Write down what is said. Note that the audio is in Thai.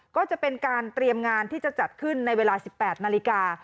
ก็จะเป็นการเตรียมงานที่จะจัดขึ้นในเวลา๑๘นาฬิกา